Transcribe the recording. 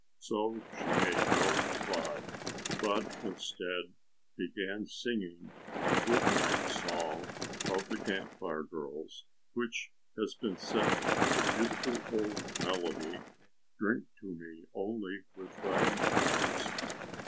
So she made no reply, but instead began singing the "Good Night Song" of the Camp Fire girls which has been set to the beautiful old melody "Drink to Me Only with Thine Eyes."